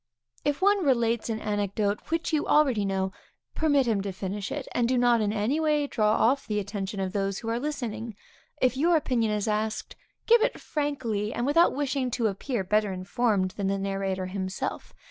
If one relates an anecdote which you already know, permit him to finish it, and do not in any way draw off the attention of those who are listening. If your opinion is asked, give it frankly, and without wishing to appear better informed than the narrator himself.